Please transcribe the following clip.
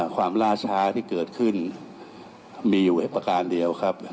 ความล่าช้าที่เกิดขึ้นมีอยู่ประการเดียวครับ